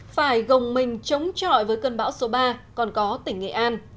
phải gồng mình chống trọi với cơn bão số ba còn có tỉnh nghệ an